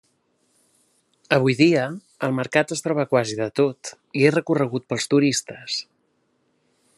Avui dia, al mercat es troba quasi de tot i és recorregut pels turistes.